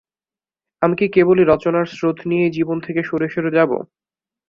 আমি কি কেবলই রচনার স্রোত নিয়েই জীবন থেকে সরে সরে যাব।